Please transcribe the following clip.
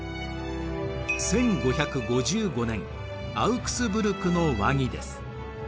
１５５５年アウクスブルクの和議です。